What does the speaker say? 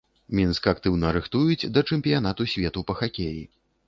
Мінск актыўна рыхтуюць да чэмпіянату свету па хакеі.